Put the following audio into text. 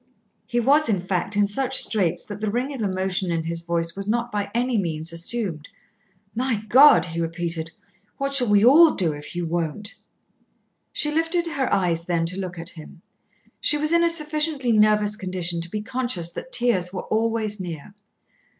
He was, in fact, in such straits that the ring of emotion in his voice was not by any means assumed. "My God!" he repeated, "what shall we all do if you won't?" She lifted her eyes then to look at him. She was in a sufficiently nervous condition to be conscious that tears were always near.